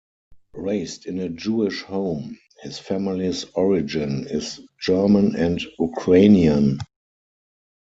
Raised in a Jewish home, his family's origin is German and Ukrainian.